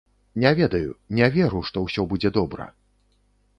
Не ведаю, не веру, што ўсё будзе добра!